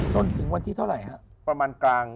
จนถึงวันที่เท่าไหร่ครับ